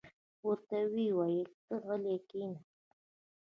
ورته ویې ویل: ته غلې کېنه.